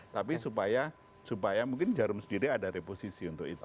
tapi supaya mungkin jarum sendiri ada reposisi untuk itu